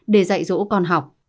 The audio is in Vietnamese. để dạy dỗ con học